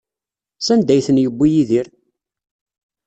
Sanda ay ten-yewwi Yidir?